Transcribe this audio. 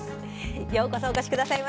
ようこそお越しくださいました。